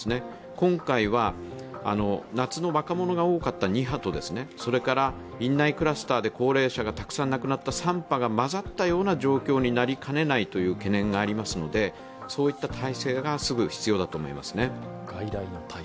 今回は、夏の若者が多かった２波と院内クラスターで高齢者がたくさん亡くなった３波が混ざったような状況になりかねないという懸念がありますので、そういった体制がすぐ必要だと思いますね。